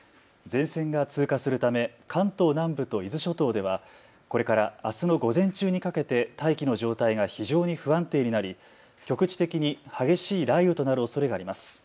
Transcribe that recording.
前線が通過するため関東南部と伊豆諸島ではこれからあすの午前中にかけて大気の状態が非常に不安定になり局地的に激しい雷雨となるおそれがあります。